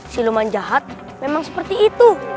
siluman jahat memang seperti itu